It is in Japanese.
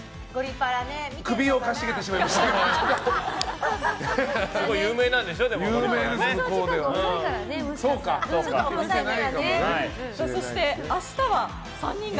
首を傾げてしまいましたが。